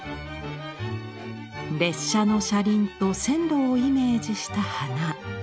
列車の車輪と線路をイメージした花。